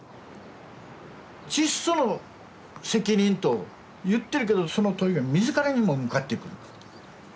チッソの責任と言ってるけどその問いが自らにも向かってくる。